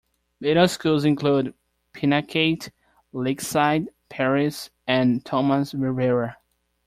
Middle schools include Pinacate, Lakeside, Perris and Tomas Rivera.